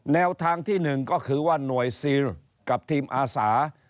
แนวทางที่๑ก็คือว่าหน่วยซีลกับทีมอาสา